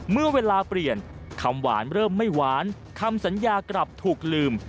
เมื่อเวลาเปลี่ยนคำหวานเริ่มไม่หวานคำสัญญากลับถูกลืม